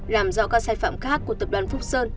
làm rõ các sai phạm khác của tập đoàn phúc sơn